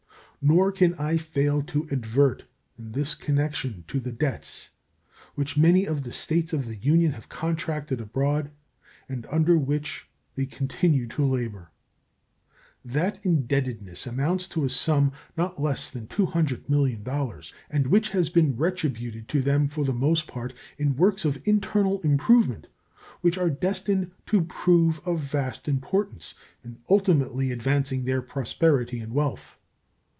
Nor can I fail to advert in this connection to the debts which many of the States of the Union have contracted abroad and under which they continue to labor. That indebtedness amounts to a sum not less than $200,000,000, and which has been retributed to them for the most part in works of internal improvement which are destined to prove of vast importance in ultimately advancing their prosperity and wealth.